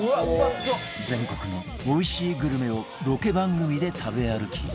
全国のおいしいグルメをロケ番組で食べ歩き